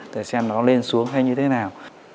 để xem nó lên xuống hay như thế nào